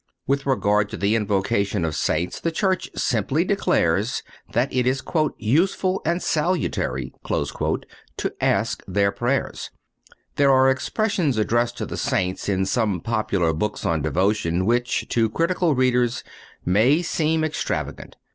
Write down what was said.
With regard to the Invocation of Saints the Church simply declares that it is "useful and salutary" to ask their prayers. There are expressions addressed to the Saints in some popular books of devotion which, to critical readers, may seem extravagant.